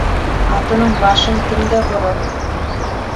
Атының башын кемгә борор?